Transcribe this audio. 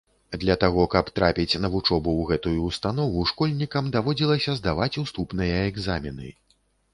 Для таго, каб трапіць на вучобу ў гэтую ўстанову, школьнікам даводзілася здаваць уступныя экзамены.